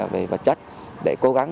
về vật chất để cố gắng